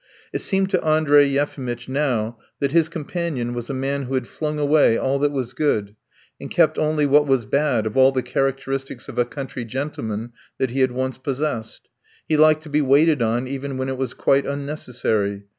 It seemed to Andrey Yefimitch, now, that his companion was a man who had flung away all that was good and kept only what was bad of all the characteristics of a country gentleman that he had once possessed. He liked to be waited on even when it was quite unnecessary.